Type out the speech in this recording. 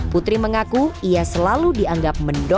putri mengaku ia selalu dianggap mendorong